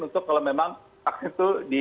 untuk kalau memang vaksin itu di